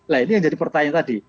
nah ini yang jadi pertanyaan tadi